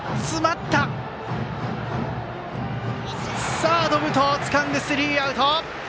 サード、武藤つかんでスリーアウト。